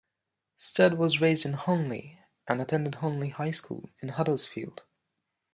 Stead was raised in Honley and attended Honley High School in Huddersfield.